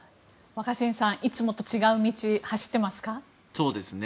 若新さん、いつもと違う道走っていますか？